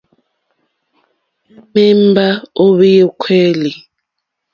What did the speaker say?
À mèmbá ó hwìúkèlì.